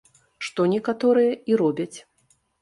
Што некаторыя і робяць.